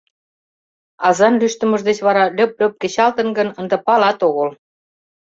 Азан лӱштымыж деч вара льып-льоп кечылтын гын, ынде палат огыл.